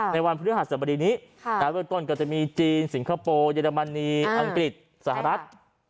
ในวันพฤหาสรรพดีนี้ตอนก็จะมีจีนสิงคโปร์เยอรมนีอังกฤษสหรัฐ